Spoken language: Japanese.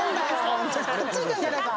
ホントくっついてんじゃねえか